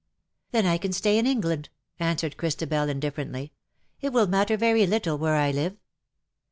" Then I can stay in England,," answered Christabel, indifferently. " It will matter very little where I live."